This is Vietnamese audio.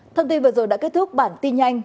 thông tin vừa rồi đã kết thúc bản tin nhanh